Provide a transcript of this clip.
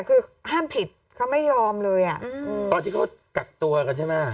คือห้ามผิดเขาไม่ยอมเลยอ่ะอืมตอนที่เขากักตัวกันใช่ไหม